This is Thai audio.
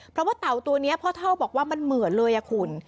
เพราะว่าเต่าตัวนี้พ่อเท่าบอกว่ามันเหมือนเลยคุณ